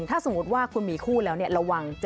ถ้าสมมติว่าคุณมีคู่แล้วเนี่ย